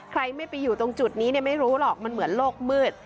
ใครไม่ไปอยู่ตรงจุดนี้ไม่รู้หรอกมันเหมือนโลกมืด